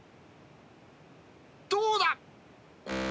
どうだ？